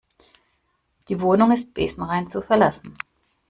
Die Wohnung ist besenrein zu verlassen.